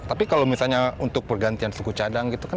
tapi kalau misalnya untuk pergantian suku cadang gitu kan